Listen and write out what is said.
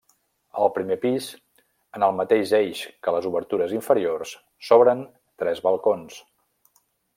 Al primer pis, en el mateix eix que les obertures inferiors, s'obren tres balcons.